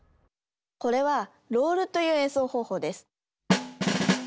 これはロールという演奏方法です。